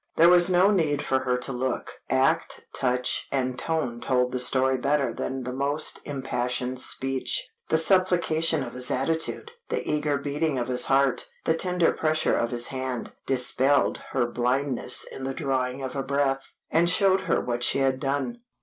There was no need for her to look; act, touch, and tone told the story better than the most impassioned speech. The supplication of his attitude, the eager beating of his heart, the tender pressure of his hand, dispelled her blindness in the drawing of a breath, and showed her what she had done.